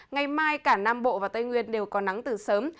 ngày mai cả nam bộ và tây nguyên đều có nắng từ sớm